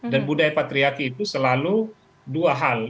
dan budaya patriarki itu selalu dua hal